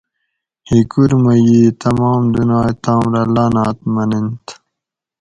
ھِیکُور مئ ئ تمام دُنائ تام رہ لعنٰت منِنت